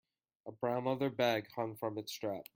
A brown leather bag hung from its strap.